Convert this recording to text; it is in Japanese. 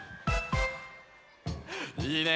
いいね！